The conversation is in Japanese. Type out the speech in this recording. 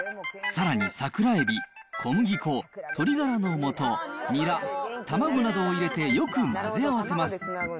さらに桜えび、小麦粉、鶏がらのもと、ニラ、卵などを入れてよく混ぜ合わせます。